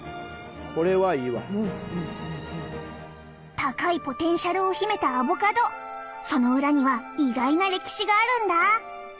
高いポテンシャルを秘めたアボカドその裏には意外な歴史があるんだ！